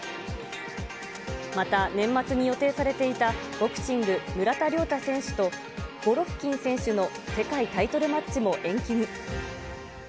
また、年末に予定されていたボクシング、村田諒太選手とゴロフキン選手の世界タイトルマッチも延期に。